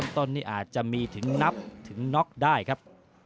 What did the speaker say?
ต้นนี้อาจจะมีถึงนับถึงน็อกได้ครับ